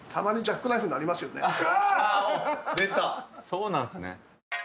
そうなんすね。